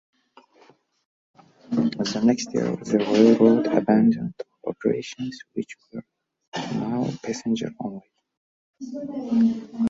The next year, the railroad abandoned all operations which were now passenger only.